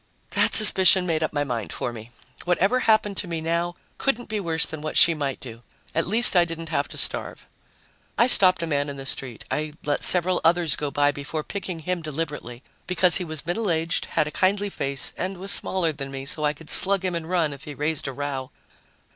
That suspicion made up my mind for me. Whatever happened to me now couldn't be worse than what she might do. At least I didn't have to starve. I stopped a man in the street. I let several others go by before picking him deliberately because he was middle aged, had a kindly face, and was smaller than me, so I could slug him and run if he raised a row.